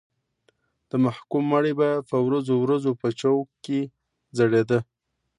د محکوم مړی به په ورځو ورځو په چوک کې ځړېده.